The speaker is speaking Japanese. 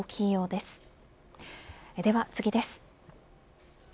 では次です。